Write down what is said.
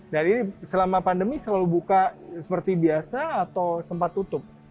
ini selama pandemi selalu buka seperti biasa atau sempat tutup